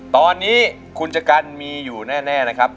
ตอนนี้คุณชะกันมีอยู่แน่นะครับ